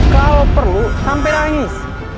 kalau perlu sampai nangis